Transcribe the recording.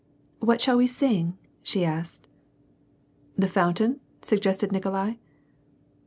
" What shall we sing ?" she asked. "' The Fountain,' " suggested Nikolai.